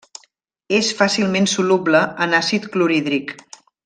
És fàcilment soluble en àcid clorhídric.